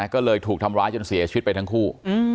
ก็เลยถูกทำร้ายจนเสียชีวิตไปทั้งคู่